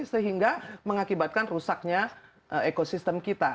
sehingga mengakibatkan rusaknya ekosistem kita